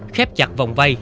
khép chặt vòng vây